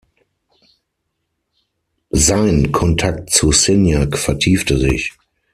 Sein Kontakt zu Signac vertiefte sich.